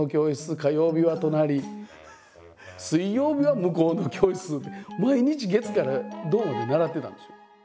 火曜日は隣水曜日は向こうの教室って毎日月から土まで習ってたんですよ。